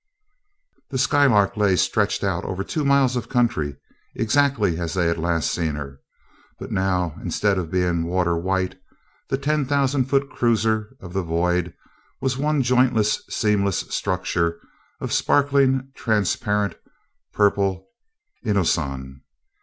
The Skylark lay stretched out over two miles of country, exactly as they had last seen her, but now, instead of being water white, the ten thousand foot cruiser of the void was one jointless, seamless structure of sparkling, transparent, purple inoson.